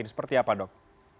seperti apa dok